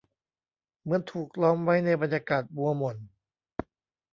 เหมือนถูกล้อมไว้ในบรรยากาศมัวหม่น